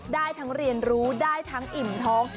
ได้ทั้งเรียนรู้ได้ทั้งอิ่มท้อง